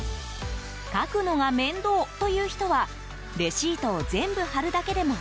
書くのが面倒という人はレシートを全部貼るだけでもＯＫ。